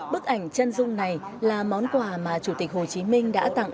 bức ảnh chân dung này là món quà mà chủ tịch hồ chí minh đã tặng